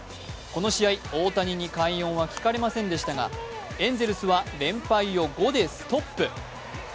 この試合、大谷に快音は聞かれませんでしたがエンゼルスは連敗を５でストップ。